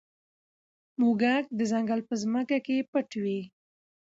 موږک د ځنګل په ځمکه کې پټ وي.